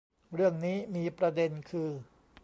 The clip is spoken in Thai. เรื่องนี้มีประเด็นคือ